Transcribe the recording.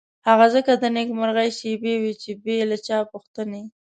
هغه ځکه د نېکمرغۍ شېبې وې چې بې له چا پوښتنې.